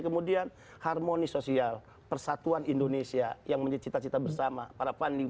kemudian harmoni sosial persatuan indonesia yang menjadi cita cita bersama para funding